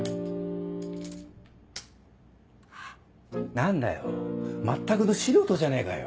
何だよ全くの素人じゃねえかよ。